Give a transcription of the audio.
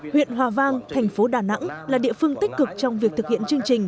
huyện hòa vang thành phố đà nẵng là địa phương tích cực trong việc thực hiện chương trình